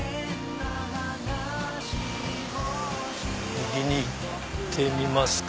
右に行ってみますか。